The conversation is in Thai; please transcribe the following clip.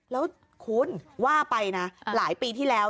แล้วคุณว่าไปนะหลายปีที่แล้ว